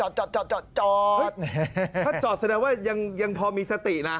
ถ้าจอดสัญญาว่ายังพอมีสตินะ